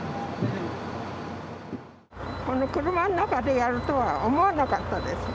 車の中でやるとは思わなかったです。